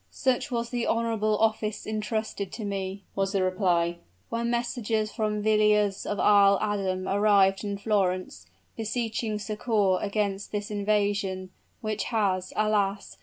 "Such was the honorable office intrusted to me," was the reply. "When messengers from Villiers of Isle Adam arrived in Florence, beseeching succor against this invasion, which has, alas!